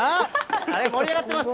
盛り上がってます。